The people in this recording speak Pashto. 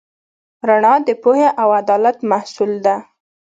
رڼا د پوهې او عدالت محصول ده.